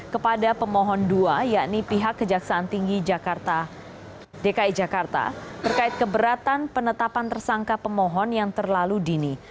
kepada pemohon dua yakni pihak kejaksaan tinggi dki jakarta terkait keberatan penetapan tersangka pemohon yang terlalu dini